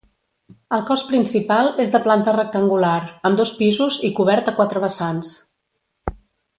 El cos principal és de planta rectangular, amb dos pisos i cobert a quatre vessants.